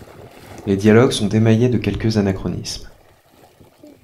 Les dialogues sont émaillés de quelques anachronismes.